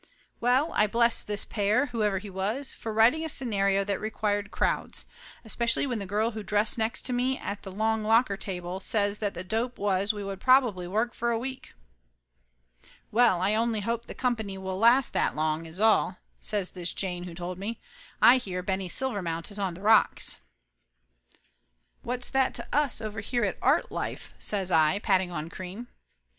Well, I blessed this Pear, whoever he was, for writing a scenario that required crowds, especially when the girl who dressed next to me at the long locker table says that the dope was we would probably work for a week. "Well, I only hope the company will last that long, that's all," says this jane who told me. "I hear Benny Silvermount is on the rocks." 134 Laughter Limited "What's that to us over here at Artlife?" says I, patting on cream.